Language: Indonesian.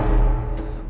untuk membawa pasukan